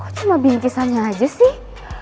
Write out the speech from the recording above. oh cuma bingkisannya aja sih